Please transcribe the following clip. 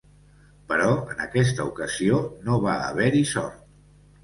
Però en aquesta ocasió no va haver-hi sort.